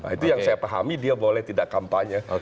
itu yang saya pahami dia boleh tidak kampanye